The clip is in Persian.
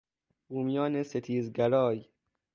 بومیان ستیزگرای